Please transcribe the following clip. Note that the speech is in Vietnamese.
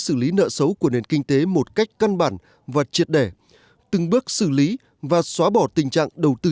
xử lý nợ xấu của nền kinh tế một cách căn bản và triệt đẻ từng bước xử lý và xóa bỏ tình trạng đầu tư